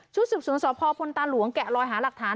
ชุดศึกษุนสภพพลตาหลวงแกะลอยหาหลักฐาน